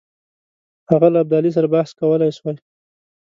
هغه له ابدالي سره بحث کولای سوای.